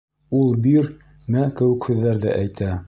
Ул «бир», «мә» кеүек һүҙҙәрҙе әйтә.